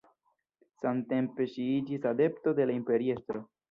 Samtempe ŝi iĝis adepto de la imperiestro.